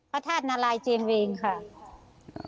พระทาสนรายเจียนวิงค่ะ